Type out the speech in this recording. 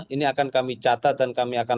ini akan kami catat dan kami akan